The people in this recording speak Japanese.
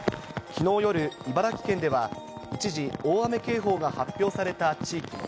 きのう夜、茨城県では、一時、大雨警報が発表された地域も。